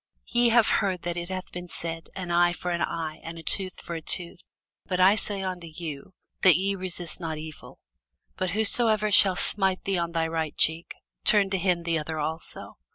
Ye have heard that it hath been said, An eye for an eye, and a tooth for a tooth: but I say unto you, That ye resist not evil: but whosoever shall smite thee on thy right cheek, turn to him the other also.